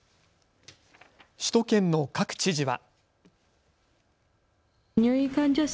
首都圏の各知事は。